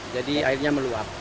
jadi airnya meluap